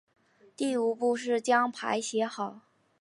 第五步是将牌写好。